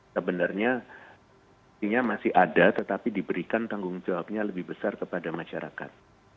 sebenarnya masih ada tetapi diberikan tanggung jawabnya lebih besar kepada masyarakat